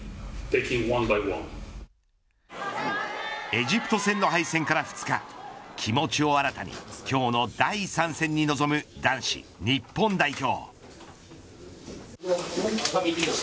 エジプト戦の敗戦から２日気持ちを新たに今日の第３戦に臨む男子日本代表。